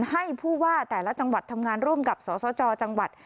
ให้ผู้ว่าแต่ละจังหวัดทำงานร่วมกับสสจจังหวัด